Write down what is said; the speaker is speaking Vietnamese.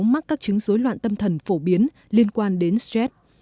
mắc các chứng dối loạn tâm thần phổ biến liên quan đến stress